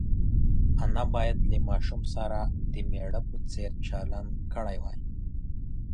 انا باید له ماشوم سره د مېړه په څېر چلند کړی وای.